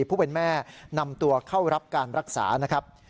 ผู้เป็นแม่นำตัวเข้ารับการรักษานะครับ